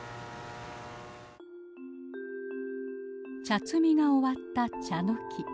茶摘みが終わったチャノキ。